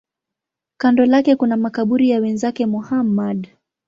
Kando lake kuna makaburi ya wenzake Muhammad.